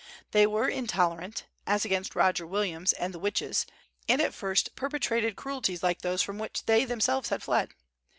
They were intolerant, as against Roger Williams and the "witches," and at first perpetrated cruelties like those from which they themselves had fled.